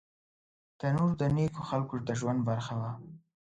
تنور د نیکو خلکو د ژوند برخه وه